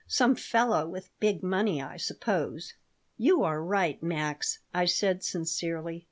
Some fellow with big money, I suppose." "You are right, Max," I said, sincerely.